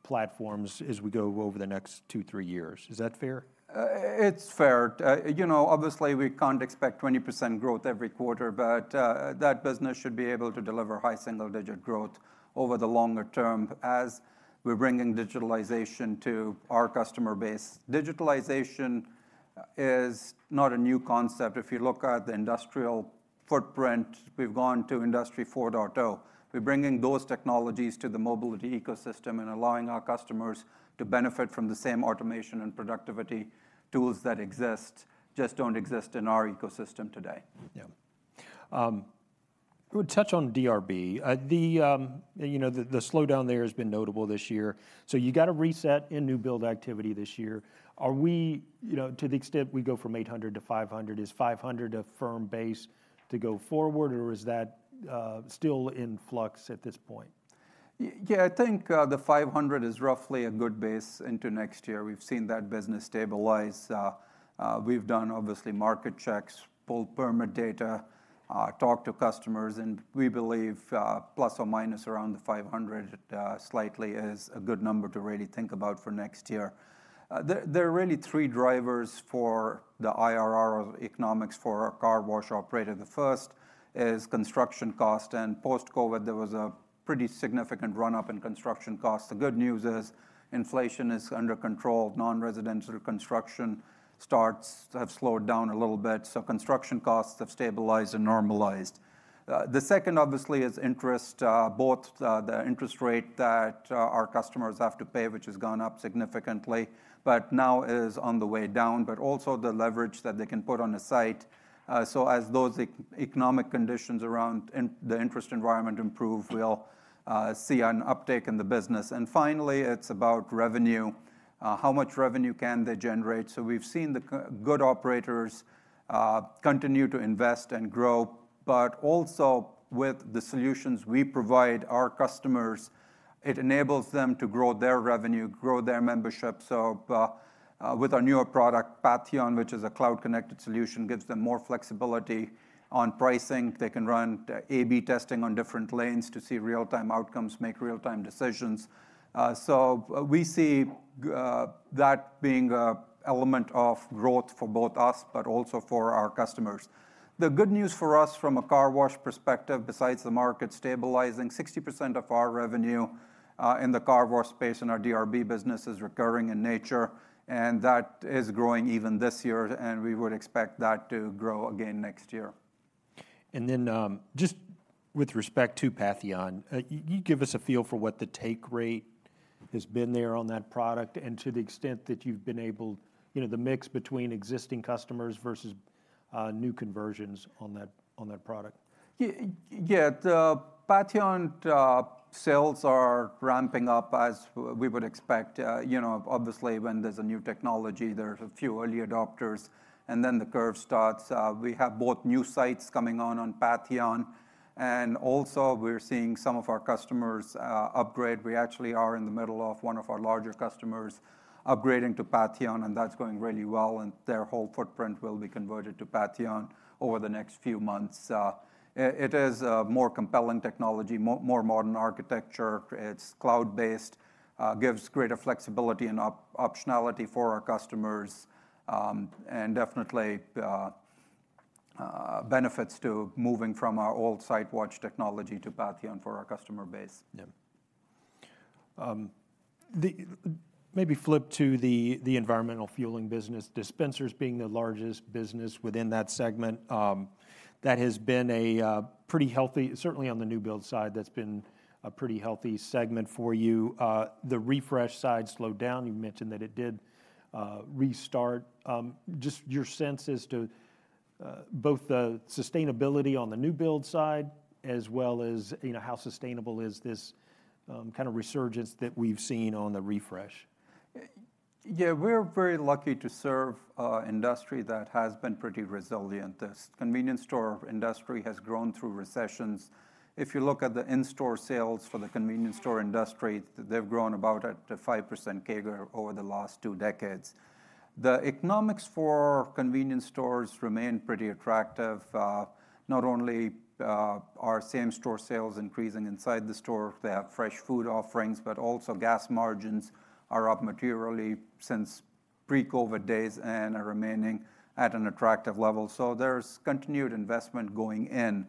platforms as we go over the next two, three years. Is that fair? It's fair. You know, obviously, we can't expect 20% growth every quarter, but that business should be able to deliver high single-digit growth over the longer term as we're bringing digitalization to our customer base. Digitalization is not a new concept. If you look at the industrial footprint, we've gone to Industry 4.0. We're bringing those technologies to the mobility ecosystem and allowing our customers to benefit from the same automation and productivity tools that exist, just don't exist in our ecosystem today. Yeah. We'll touch on DRB. The, you know, the slowdown there has been notable this year. So you got a reset in new build activity this year. Are we, you know, to the extent we go from 800 to 500, is 500 a firm base to go forward, or is that still in flux at this point? Yeah, I think the 500 is roughly a good base into next year. We've seen that business stabilize. We've done obviously market checks, pulled permit data, talked to customers, and we believe plus or minus around the 500 slightly is a good number to really think about for next year. There are really three drivers for the IRR of economics for our car wash operator. The first is construction cost, and post-COVID, there was a pretty significant run-up in construction costs. The good news is inflation is under control. Non-residential construction starts have slowed down a little bit, so construction costs have stabilized and normalized. The second obviously is interest, both the interest rate that our customers have to pay, which has gone up significantly, but now is on the way down, but also the leverage that they can put on a site. So as those economic conditions around the interest environment improve, we'll see an uptake in the business. And finally, it's about revenue. How much revenue can they generate? So we've seen the good operators continue to invest and grow, but also with the solutions we provide our customers, it enables them to grow their revenue, grow their membership. So with our newer product, Patheon, which is a cloud-connected solution, gives them more flexibility on pricing. They can run A/B testing on different lanes to see real-time outcomes, make real-time decisions. So we see that being an element of growth for both us, but also for our customers. The good news for us from a car wash perspective, besides the market stabilizing, 60% of our revenue in the car wash space in our DRB business is recurring in nature, and that is growing even this year, and we would expect that to grow again next year. And then, just with respect to Patheon, you give us a feel for what the take rate has been there on that product, and to the extent that you've been able, you know, the mix between existing customers versus new conversions on that product. Yeah, Patheon sales are ramping up as we would expect. You know, obviously when there's a new technology, there's a few early adopters, and then the curve starts. We have both new sites coming on on Patheon, and also we're seeing some of our customers upgrade. We actually are in the middle of one of our larger customers upgrading to Patheon, and that's going really well, and their whole footprint will be converted to Patheon over the next few months. It is a more compelling technology, more modern architecture. It's cloud-based, gives greater flexibility and optionality for our customers, and definitely benefits to moving from our old SiteWatch technology to Patheon for our customer base. Yeah. Maybe flip to the environmental fueling business. Dispensers being the largest business within that segment, that has been a pretty healthy, certainly on the new build side, that's been a pretty healthy segment for you. The refresh side slowed down. You mentioned that it did restart. Just your sense as to both the sustainability on the new build side as well as, you know, how sustainable is this kind of resurgence that we've seen on the refresh? Yeah, we're very lucky to serve an industry that has been pretty resilient. This convenience store industry has grown through recessions. If you look at the in-store sales for the convenience store industry, they've grown about at a 5% CAGR over the last two decades. The economics for convenience stores remain pretty attractive. Not only are same-store sales increasing inside the store, they have fresh food offerings, but also gas margins are up materially since pre-COVID days and are remaining at an attractive level. So there's continued investment going in.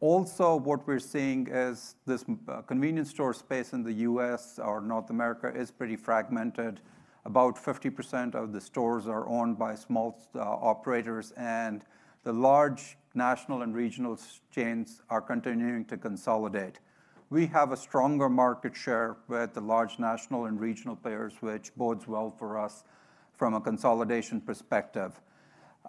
Also, what we're seeing is this convenience store space in the U.S. or North America is pretty fragmented. About 50% of the stores are owned by small operators, and the large national and regional chains are continuing to consolidate. We have a stronger market share with the large national and regional players, which bodes well for us from a consolidation perspective.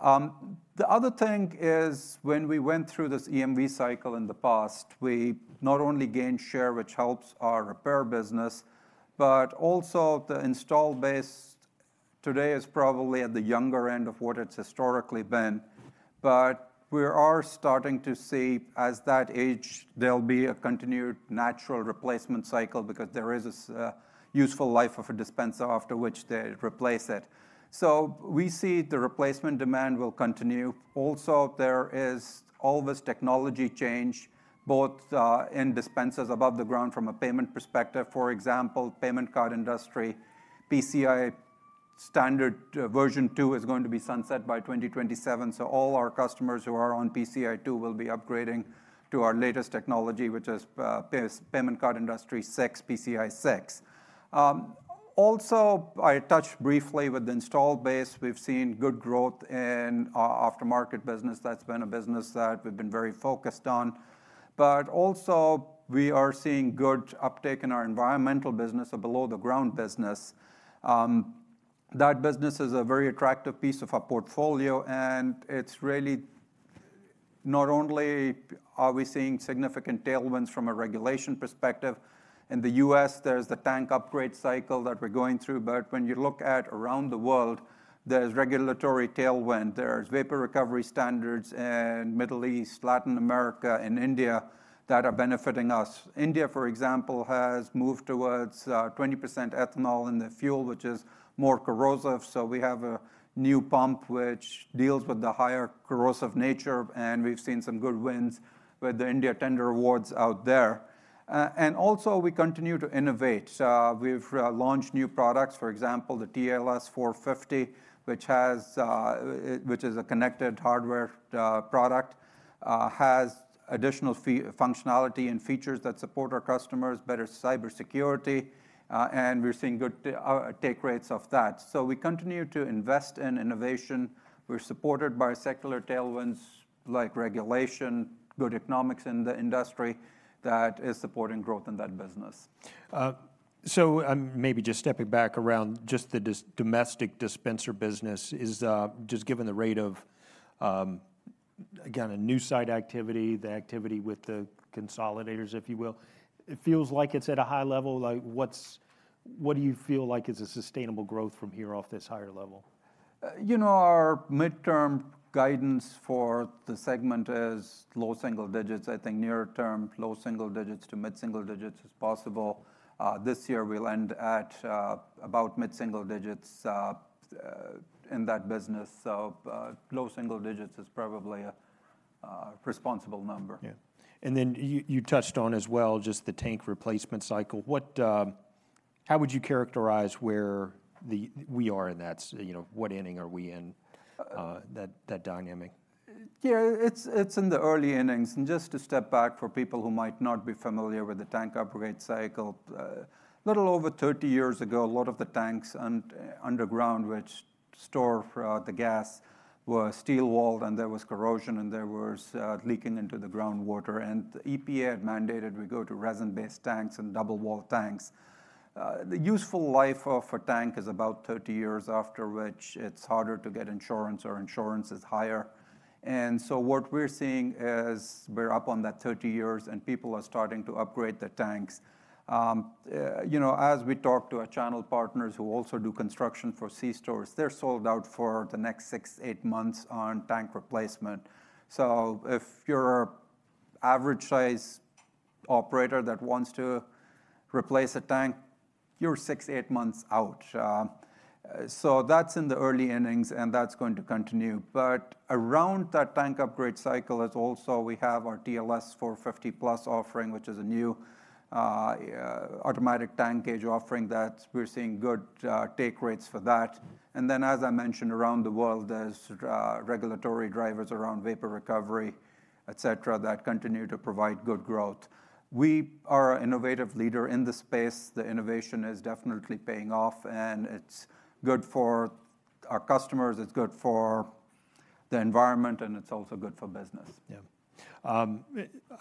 The other thing is when we went through this EMV cycle in the past, we not only gained share, which helps our repair business, but also the install base today is probably at the younger end of what it's historically been. But we are starting to see as that age, there'll be a continued natural replacement cycle because there is a useful life of a dispenser after which they replace it. So we see the replacement demand will continue. Also, there is all this technology change, both in dispensers above the ground from a payment perspective. For example, Payment Card Industry, PCI 6 is going to be sunset by 2027. All our customers who are on PCI 2 will be upgrading to our latest technology, which is PCI 6. Also, I touched briefly on the installed base. We've seen good growth in our aftermarket business. That's been a business that we've been very focused on. But also we are seeing good uptake in our environmental business, a below-ground business. That business is a very attractive piece of our portfolio, and it's really not only are we seeing significant tailwinds from a regulation perspective. In the U.S., there's the tank upgrade cycle that we're going through, but when you look around the world, there's regulatory tailwind. There's vapor recovery standards in the Middle East, Latin America, and India that are benefiting us. India, for example, has moved towards 20% ethanol in the fuel, which is more corrosive. So we have a new pump which deals with the higher corrosive nature, and we've seen some good wins with the India tender awards out there. And also we continue to innovate. We've launched new products, for example, the TLS-450, which is a connected hardware product, has additional functionality and features that support our customers, better cybersecurity, and we're seeing good take rates of that. So we continue to invest in innovation. We're supported by secular tailwinds like regulation, good economics in the industry that is supporting growth in that business. So maybe just stepping back around just the domestic dispenser business, just given the rate of, again, a new site activity, the activity with the consolidators, if you will, it feels like it's at a high level. What do you feel like is a sustainable growth from here off this higher level? You know, our midterm guidance for the segment is low single digits. I think near-term, low single digits to mid-single digits is possible. This year we'll end at about mid-single digits in that business. So low single digits is probably a responsible number. Yeah. And then you touched on as well just the tank replacement cycle. How would you characterize where we are in that? You know, what inning are we in, that dynamic? Yeah, it's in the early innings. And just to step back for people who might not be familiar with the tank upgrade cycle, a little over 30 years ago, a lot of the tanks underground, which store the gas, were steel-walled and there was corrosion and there was leaking into the groundwater. And EPA had mandated we go to resin-based tanks and double-walled tanks. The useful life of a tank is about 30 years, after which it's harder to get insurance or insurance is higher. And so what we're seeing is we're up on that 30 years and people are starting to upgrade the tanks. You know, as we talk to our channel partners who also do construction for c-stores, they're sold out for the next six to eight months on tank replacement. If you're an average-sized operator that wants to replace a tank, you're six, eight months out. That's in the early innings and that's going to continue. But around that tank upgrade cycle is also we have our TLS-450PLUS offering, which is a new automatic tank gauge offering that we're seeing good take rates for that. And then, as I mentioned, around the world, there's regulatory drivers around vapor recovery, et cetera, that continue to provide good growth. We are an innovative leader in the space. The innovation is definitely paying off and it's good for our customers. It's good for the environment and it's also good for business. Yeah. I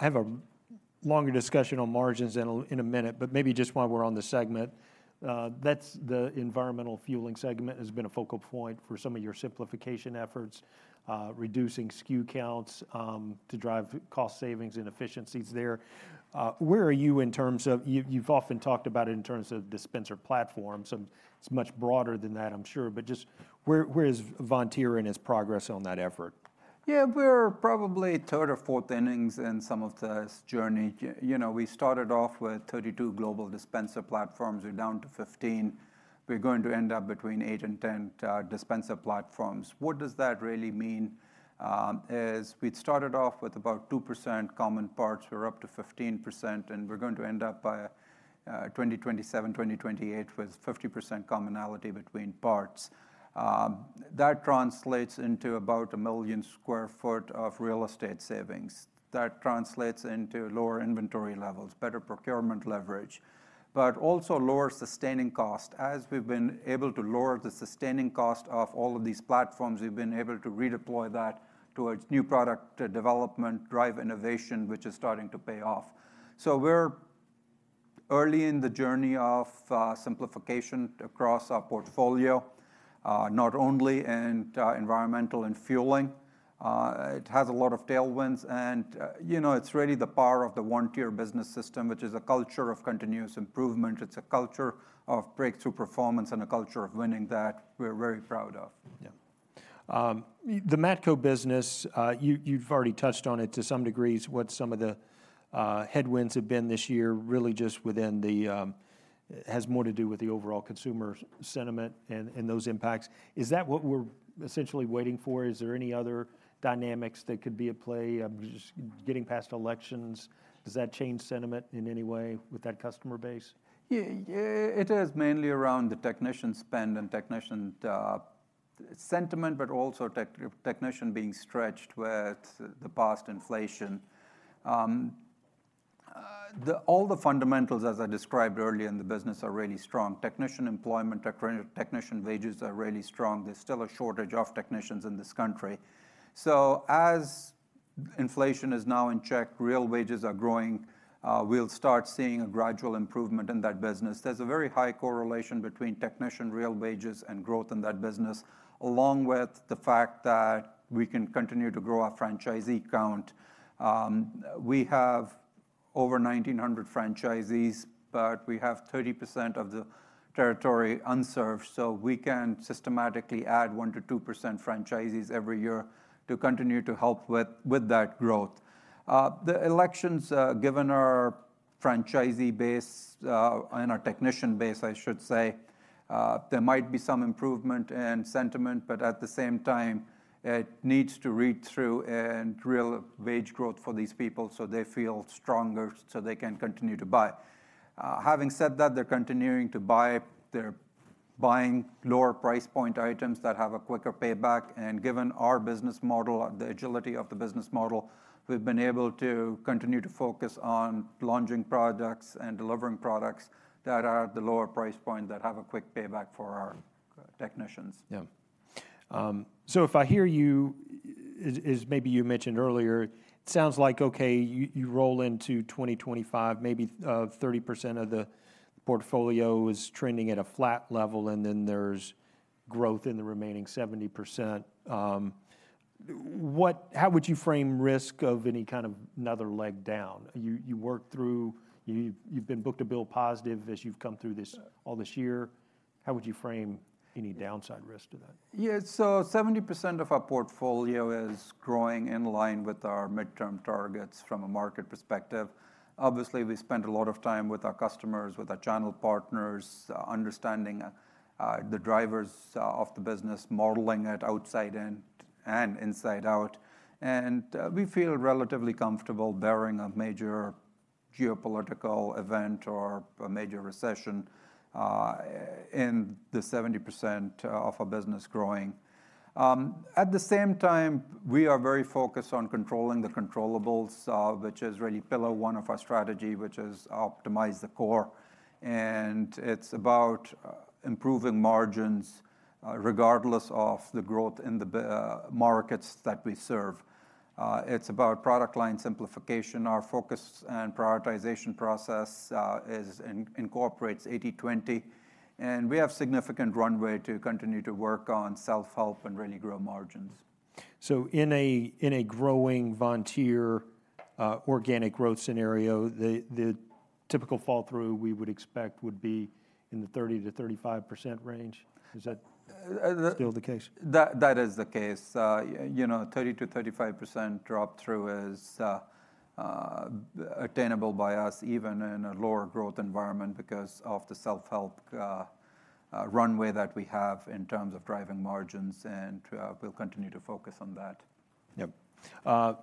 have a longer discussion on margins in a minute, but maybe just while we're on the segment, that's the environmental fueling segment has been a focal point for some of your simplification efforts, reducing SKU counts to drive cost savings and efficiencies there. Where are you in terms of, you've often talked about it in terms of dispenser platforms. It's much broader than that, I'm sure, but just where is Vontier and its progress on that effort? Yeah, we're probably a third or fourth innings in some of this journey. You know, we started off with 32 global dispenser platforms. We're down to 15. We're going to end up between eight and ten dispenser platforms. What does that really mean? We'd started off with about 2% common parts. We're up to 15%, and we're going to end up by 2027, 2028 with 50% commonality between parts. That translates into about a million sq ft of real estate savings. That translates into lower inventory levels, better procurement leverage, but also lower sustaining cost. As we've been able to lower the sustaining cost of all of these platforms, we've been able to redeploy that towards new product development, drive innovation, which is starting to pay off. So we're early in the journey of simplification across our portfolio, not only in environmental and fueling. It has a lot of tailwinds and, you know, it's really the power of the Vontier Business System, which is a culture of continuous improvement. It's a culture of breakthrough performance and a culture of winning that we're very proud of. Yeah. The Matco business, you've already touched on it to some degrees. What some of the headwinds have been this year really just within the, has more to do with the overall consumer sentiment and those impacts. Is that what we're essentially waiting for? Is there any other dynamics that could be at play? Just getting past elections, does that change sentiment in any way with that customer base? Yeah, it is mainly around the technician spend and technician sentiment, but also technician being stretched with the past inflation. All the fundamentals, as I described earlier, in the business are really strong. Technician employment, technician wages are really strong. There's still a shortage of technicians in this country. So as inflation is now in check, real wages are growing. We'll start seeing a gradual improvement in that business. There's a very high correlation between technician real wages and growth in that business, along with the fact that we can continue to grow our franchisee count. We have over 1,900 franchisees, but we have 30% of the territory unserved. So we can systematically add 1%-2% franchisees every year to continue to help with that growth. The elections, given our franchisee base and our technician base, I should say, there might be some improvement in sentiment, but at the same time, it needs to flow through to real wage growth for these people so they feel stronger so they can continue to buy. Having said that, they're continuing to buy. They're buying lower price point items that have a quicker payback. And given our business model, the agility of the business model, we've been able to continue to focus on launching products and delivering products that are at the lower price point that have a quick payback for our technicians. Yeah. So if I hear you, as maybe you mentioned earlier, it sounds like, okay, you roll into 2025, maybe 30% of the portfolio is trending at a flat level and then there's growth in the remaining 70%. How would you frame risk of any kind of another leg down? You work through, you've been book-to-bill positive as you've come through all this year. How would you frame any downside risk to that? Yeah, so 70% of our portfolio is growing in line with our midterm targets from a market perspective. Obviously, we spend a lot of time with our customers, with our channel partners, understanding the drivers of the business, modeling it outside in and inside out. And we feel relatively comfortable bearing a major geopolitical event or a major recession in the 70% of our business growing. At the same time, we are very focused on controlling the controllables, which is really pillar one of our strategy, which is optimize the core. And it's about improving margins regardless of the growth in the markets that we serve. It's about product line simplification. Our focus and prioritization process incorporates 80/20, and we have significant runway to continue to work on self-help and really grow margins. So in a growing Vontier organic growth scenario, the typical fall through we would expect would be in the 30%-35% range. Is that still the case? That is the case. You know, 30%-35% drop through is attainable by us, even in a lower growth environment because of the self-help runway that we have in terms of driving margins, and we'll continue to focus on that. Yep.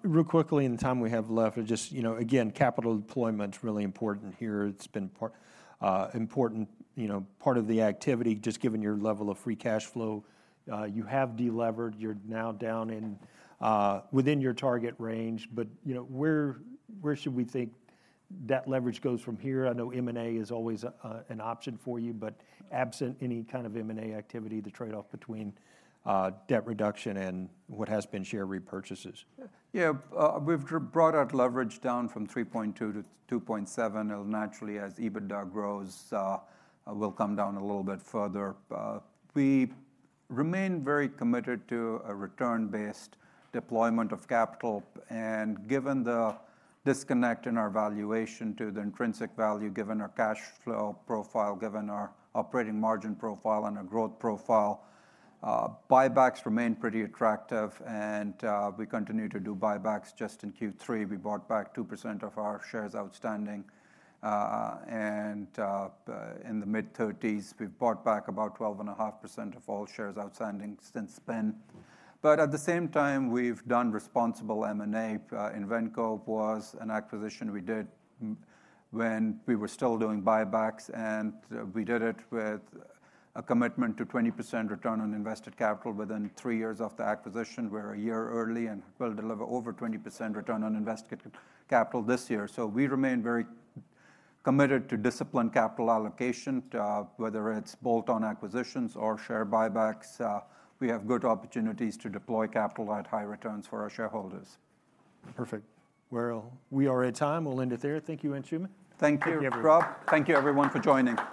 Really quickly, in the time we have left, just, you know, again, capital deployment's really important here. It's been an important part of the activity, just given your level of free cash flow. You have delevered. You're now down within your target range, but, you know, where should we think that leverage goes from here? I know M&A is always an option for you, but absent any kind of M&A activity, the trade-off between debt reduction and what has been share repurchases. Yeah, we've brought our leverage down from 3.2 to 2.7. Naturally, as EBITDA grows, we'll come down a little bit further. We remain very committed to a return-based deployment of capital. And given the disconnect in our valuation to the intrinsic value, given our cash flow profile, given our operating margin profile and our growth profile, buybacks remain pretty attractive. And we continue to do buybacks just in Q3. We bought back 2% of our shares outstanding. And in the mid-30s, we've bought back about 12.5% of all shares outstanding since then. But at the same time, we've done responsible M&A. Invenco was an acquisition we did when we were still doing buybacks, and we did it with a commitment to 20% return on invested capital within three years of the acquisition. We're a year early and will deliver over 20% return on invested capital this year. So we remain very committed to disciplined capital allocation, whether it's bolt-on acquisitions or share buybacks. We have good opportunities to deploy capital at high returns for our shareholders. Perfect. Well, we are at time. We'll end it there. Thank you, Anshooman. Thank you, Rob. Thank you, everyone, for joining.